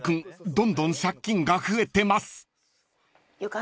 どんどん借金が増えてます］